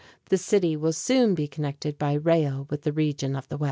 The city will soon be connected by rail with the region of the west.